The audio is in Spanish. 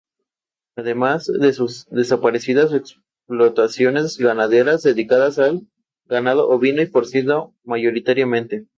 Fue uno de los signatarios de las Normas de Castelló.